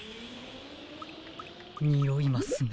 においますね。